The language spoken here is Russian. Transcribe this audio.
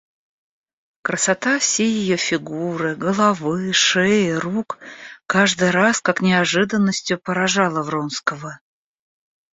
Красота всей ее фигуры, головы, шеи, рук каждый раз, как неожиданностью, поражала Вронского.